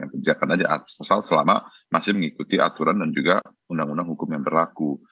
kerjakan aja sesal selama masih mengikuti aturan dan juga undang undang hukum yang berlaku